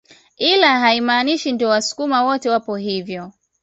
Ila haimaanishi ndo wasukuma wote wapo hivyo